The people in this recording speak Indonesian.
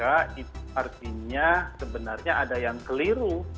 artinya sebenarnya ada yang keliru